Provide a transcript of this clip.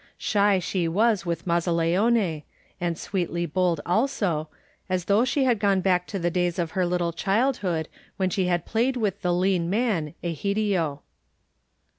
Shy she was with Mazzaleone, and sweetly bold also, as though she had gone back to the days of her little childhood when she had played with the lean man, Egidio.